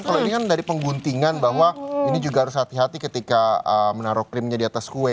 kalau ini kan dari pengguntingan bahwa ini juga harus hati hati ketika menaruh krimnya di atas kue